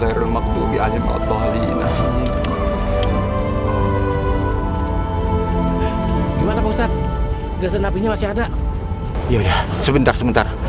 ya udah sebentar sebentar